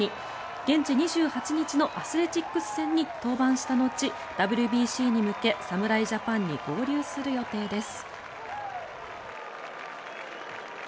現地２８日のアスレチックス戦に登板した後ＷＢＣに向け侍ジャパンに合流する予定です。